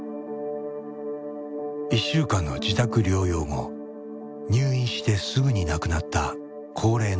１週間の自宅療養後入院してすぐに亡くなった高齢の患者もいる。